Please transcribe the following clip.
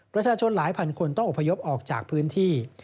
ประชาชนหลายพันคนต้องอพยพออกจากพื้นที่